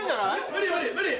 無理無理無理！